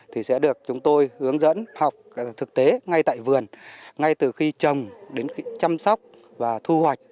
thì sẽ được chúng tôi hướng dẫn học thực tế ngay tại vườn ngay từ khi trồng đến chăm sóc và thu hoạch